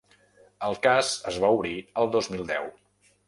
El cas es va obrir el dos mil deu.